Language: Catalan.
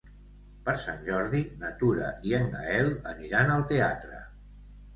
Per Sant Jordi na Tura i en Gaël aniran al teatre.